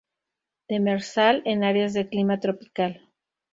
Demersal, en áreas de clima tropical.